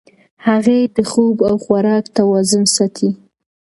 هغې د خوب او خوراک توازن ساتي.